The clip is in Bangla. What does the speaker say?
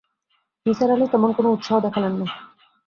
নিসার আলি তেমন কোনো উৎসাহ দেখালেন না।